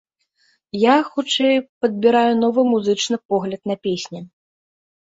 Я, хутчэй, падбіраю новы музычны погляд на песні.